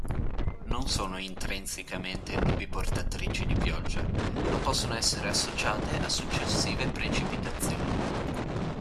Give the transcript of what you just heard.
Non sono intrinsecamente nubi portatrici di pioggia ma possono essere associate a successive precipitazioni.